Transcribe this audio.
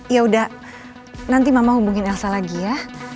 yaudah nanti mama hubungin elsa lagi ya